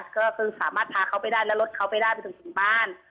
ก็คือสามารถพาเขาไปได้แล้วรถเขาไปได้ไปจนถึงบ้าน